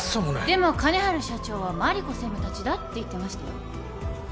でも金治社長は真梨子専務たちだって言ってましたよ。